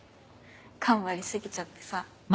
頑張り過ぎちゃってさ。